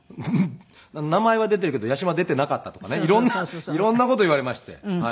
名前は出ているけど八嶋出ていなかったとかね色んな事を言われまして。